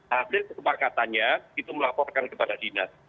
hasil kesepakatannya itu melaporkan kepada dinas